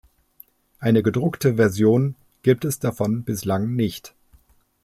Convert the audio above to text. Eine gedruckte Version gibt es davon bislang nicht.